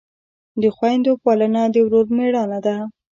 د خویندو پالنه د ورور مړانه ده.